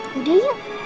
ya udah yuk